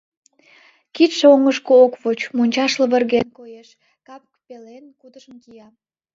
Кидше оҥышко ок воч — мончаш лывырген, коеш, кап пелен кутышын кия.